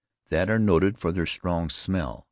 that are noted for their strong smell.